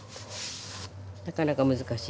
なかなか難しい。